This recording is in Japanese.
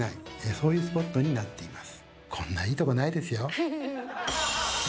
そういうスポットになっています。